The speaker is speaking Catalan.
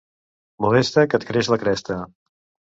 Modesta, que et creix la cresta!